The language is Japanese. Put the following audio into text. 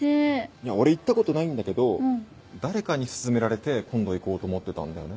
俺行ったことないんだけど誰かに薦められて今度行こうと思ってたんだよね。